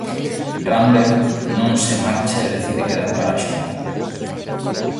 Rambert non se marcha e decide quedar para axudar.